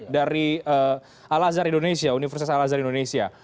dari universitas al azhar indonesia